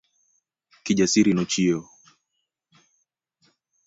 Kijasiri nochiewo